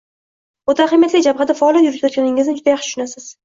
o‘ta ahamiyatli jabhada faoliyat yuritayotganingizni juda yaxshi tushunasiz.